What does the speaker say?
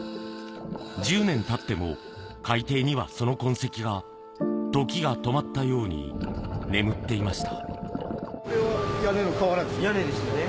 １０年経っても海底には、その痕跡が時が止まったように眠っていました。